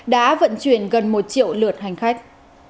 đã vận chuyển gần một triệu lượt hành khách